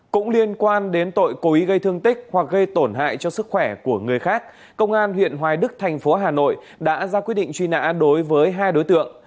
cũng liên quan đến tội cố ý gây thương tích hoặc gây tổn hại cho sức khỏe của người khác công an huyện hoài đức thành phố hà nội đã ra quyết định truy nã đối với hai đối tượng